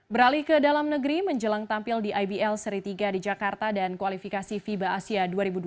beralih ke dalam negeri menjelang tampil di ibl seri tiga di jakarta dan kualifikasi fiba asia dua ribu dua puluh